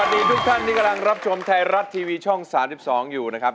ดีทุกท่านที่กำลังรับชมไทยรัฐทีวีช่อง๓๒อยู่นะครับ